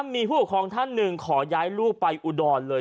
มีผู้ปกครองท่านหนึ่งขอย้ายลูกไปอุดรเลย